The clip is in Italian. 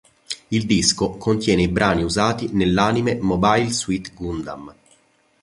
Il disco contiene i brani usati nell'anime "Mobile Suit Gundam".